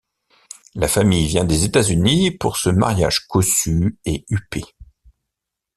La famille vient des États-Unis pour ce mariage cossu et huppé.